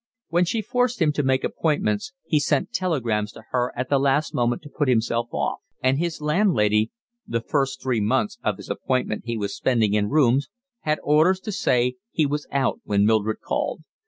When she forced him to make appointments he sent telegrams to her at the last moment to put himself off; and his landlady (the first three months of his appointment he was spending in rooms) had orders to say he was out when Mildred called.